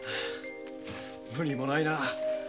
無理もないな。